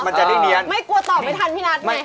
ไม่กลัวตอบไหมทันปินัทไหน